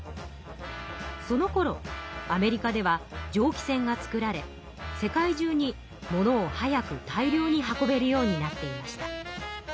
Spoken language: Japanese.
そのころアメリカではじょう気船が造られ世界じゅうに物を早く大量に運べるようになっていました。